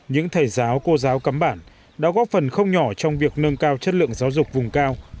những thầy giáo cô giáo cấm bản đã góp phần không nhỏ trong việc nâng cao chất lượng giáo dục vùng cao